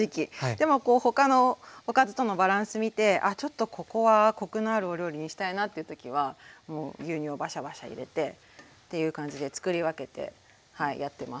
でも他のおかずとのバランス見てあっちょっとここはコクのあるお料理にしたいなっていう時は牛乳をバシャバシャ入れてっていう感じでつくり分けてやってます。